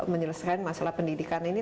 menyelesaikan masalah pendidikan ini